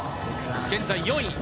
現在４位。